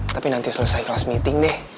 tapi nanti selesai kelas meeting deh